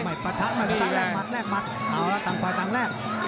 ไม่ปะทะไม่ปะทะแรกมัดแรกมัดเอาละต่างไปต่างแรก